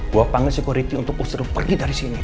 gue panggil security untuk usir lo pergi dari sini